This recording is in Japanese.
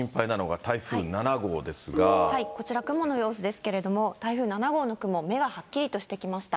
こちら、雲の様子ですけれども、台風７号の雲、目がはっきりとしてきました。